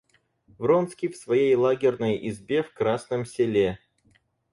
Вронский в своей лагерной избе в Красном селе.